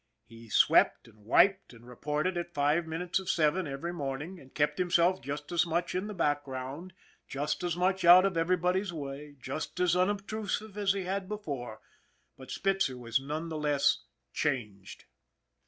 He swept and wiped and reported at five minutes of seven every morning and kept himself just as much in the background, just 74 ON THE IRON AT BIG CLOUD as much out of everybody's way, just as unobtrusive as he had before, but Spitzer was none the less changed.